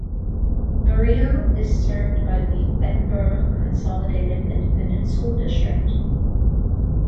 Murillo is served by the Edinburg Consolidated Independent School District.